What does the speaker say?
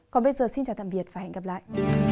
còn bây giờ xin chào tạm biệt và hẹn gặp lại